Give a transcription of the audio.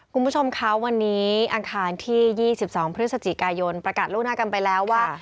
คุณผู้ชมคะวันนี้อังคารที่๒๒พฤศจิกายนประกาศล่วงหน้ากันไปแล้วว่า